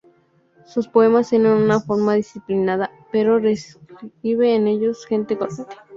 Sus poemas tienen una forma disciplinada, pero describe en ellos a gente corriente.